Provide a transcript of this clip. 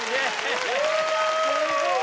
すごい。